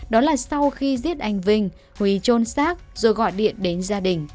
đó là sau khi giết anh vinh huy trôn xác rồi gọi điện đến gia đình